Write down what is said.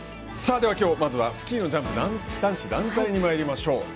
きょうまずはスキーのジャンプ男子団体にまいりましょう。